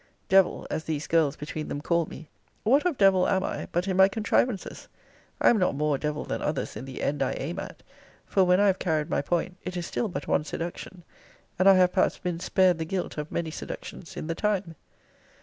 Devil, as these girls between them call me, what of devil am I, but in my contrivances? I am not more a devil than others in the end I aim at; for when I have carried my point, it is still but one seduction. And I have perhaps been spared the guilt of many seductions in the time.